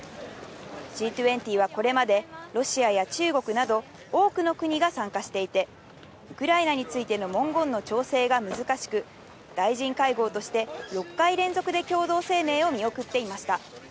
Ｇ２０はこれまで、ロシアや中国など、多くの国が参加していて、ウクライナについての文言の調整が難しく、大臣会合として６回連続で共同声明を見送っていました。